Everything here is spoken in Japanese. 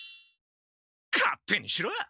勝手にしろ。